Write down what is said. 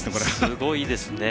すごいですね。